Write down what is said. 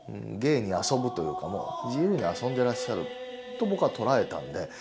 芸に遊ぶというかもう自由に遊んでらっしゃると僕は捉えたんで。